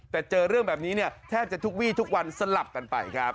แต่เจอเรื่องแบบนี้เนี่ยแทบจะทุกวี่ทุกวันสลับกันไปครับ